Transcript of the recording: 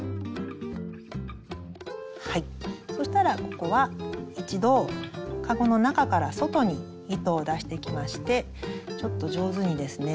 そしたらここは一度かごの中から外に糸を出していきましてちょっと上手にですね